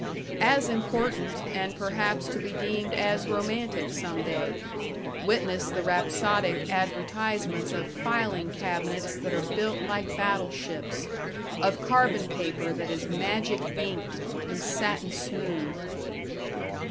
As important, and perhaps to be deemed as romantic some day; witness the rhapsodic advertisements of filing cabinets that are built like battle ships; of carbon paper that is magic inked and satin smooth.